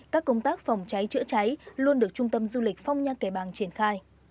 các công tác phòng cháy chữa cháy luôn được trung tâm du lịch phong nha kẻ bàng triển khai